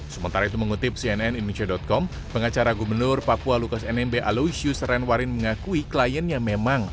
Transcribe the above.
sementara itu mengutip cnn indonesia com pengacara gubernur papua lukas nmb aloysius renwarin mengakui kliennya memang